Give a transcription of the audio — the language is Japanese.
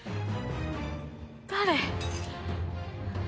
誰？